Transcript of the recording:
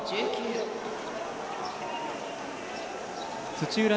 土浦